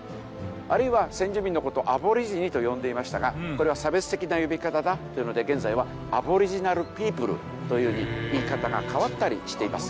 あるいは先住民の事をアボリジニと呼んでいましたがこれは差別的な呼び方だというので現在はアボリジナルピープルというふうに言い方が変わったりしています。